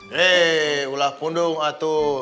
hei ulah kundung atu